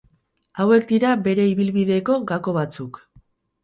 Hauek dira bere ibilbideko gako batzuk.